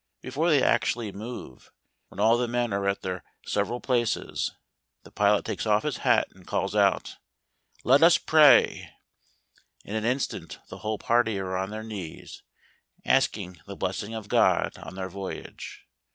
Before they actually move, when all the men are at their several places, the pilot takes off his hat, and calls out, " let us pray." In an instant the whole party are on their knees, asking the blessing of God on their voyage.